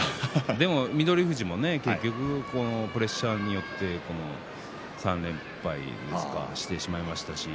でも翠富士は結局プレッシャーによって３連敗してしまいましたしね。